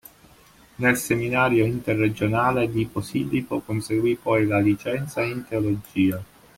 Nel seminario interregionale di Posillipo conseguì poi la licenza in teologia.